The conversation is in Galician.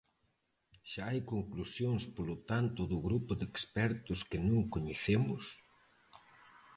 ¿Xa hai conclusións, polo tanto, do grupo de expertos que non coñecemos?